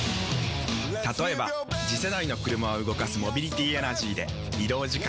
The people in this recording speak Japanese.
例えば次世代の車を動かすモビリティエナジーでまジカ⁉人間！